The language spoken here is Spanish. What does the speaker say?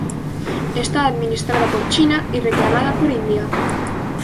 Está administrada por China y reclamada por India.